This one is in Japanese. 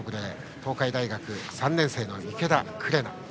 東海大学３年生の池田紅。